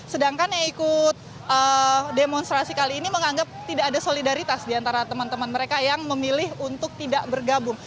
sedangkan yang ikut demonstrasi kali ini menganggap tidak ada solidaritas diantara teman teman mereka yang memilih untuk tidak bergabung